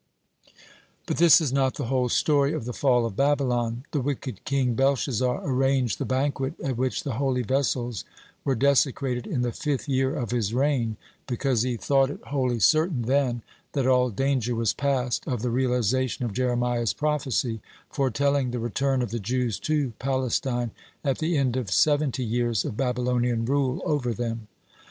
(2) But this is not the whole story of the fall of Babylon. The wicked king Belshazzar arranged the banquet at which the holy vessels were desecrated in the fifth year of his reign, because he thought it wholly certain then that all danger was past of the realization of Jeremiah's prophecy, foretelling the return of the Jews to Palestine at the end of seventy years of Babylonian rule over them.